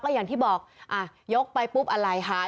อย่างที่บอกยกไปปุ๊บอะไรหาย